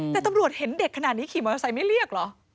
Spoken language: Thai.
แต่ตำรวจเห็นเด็กขนาดนี้ขี่มอเตอร์ไซค์ไม่เรียกเหรอ